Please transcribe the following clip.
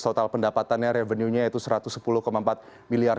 total pendapatannya revenue nya yaitu satu ratus sepuluh empat miliar